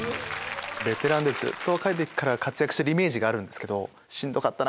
ベテランでずっと若い時から活躍してるイメージがあるけどしんどかったな